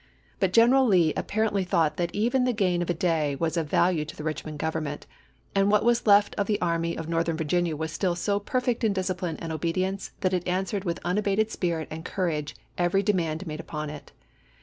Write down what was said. But General Lee appar ently thought that even the gain of a day was of value to the Eichmond Government, and what was left of the Army of Northern Virginia was still so perfect in discipline and obedience that it answered with unabated spirit and courage every demand made upon it.